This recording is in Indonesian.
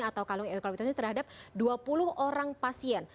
atau kalung eukalyptus ini terhadap dua puluh orang pasien